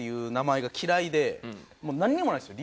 もうなんにもないんですよ